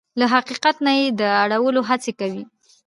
له حقیقت نه يې د اړولو هڅې کوي.